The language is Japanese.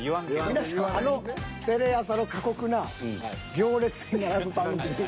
皆さんあのテレ朝の過酷な行列に並ぶ番組。